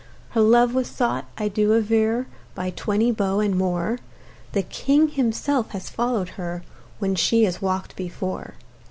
Her love was sought, I do aver, By twenty beaux and more; The King himself has follow'd her When she has walk'd before.